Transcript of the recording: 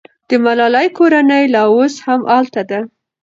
د ملالۍ کورنۍ لا اوس هم هلته ده.